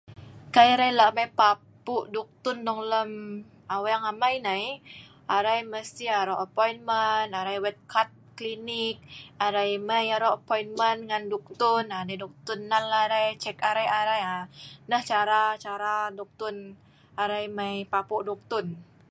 Kai arai lah' mai papu' duktun lem aweng amai nai, arai mesti aro' apoimen arai wet kad klinik, arai mai aro' apoimen ngan duktun, naa dei duktun nal arai, cek area' arai, aaaa nah cara-cara duktun arai mai papu' duktun.